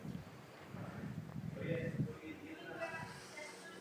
Propuštěn byl až po mezinárodním tlaku.